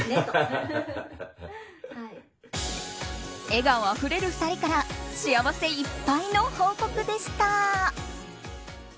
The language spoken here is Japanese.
笑顔あふれる２人から幸せいっぱいの報告でした。